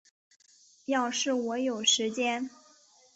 要是我有时间